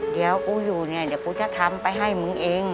เดี๋ยวกูอยู่เนี่ยเดี๋ยวกูจะทำไปให้มึงเอง